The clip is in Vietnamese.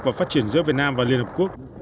và phát triển giữa việt nam và liên hợp quốc